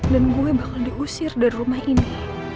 dan gue bakal diusir dari rumah ini